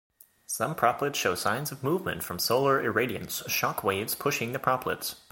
Some proplyds show signs of movement from solar irradiance shock waves pushing the proplyds.